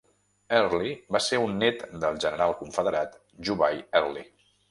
Early va ser un net del general confederat Jubal Early.